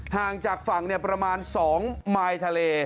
ห่างจากฝั่งเนี่ยประมาณ๒ไมค์ทะเล